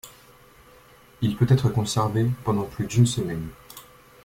Il peut être conservé pendant plus d'une semaine.